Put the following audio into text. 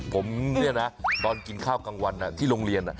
ผมเนี่ยนะตอนกินข้าวกลางวันที่โรงเรียน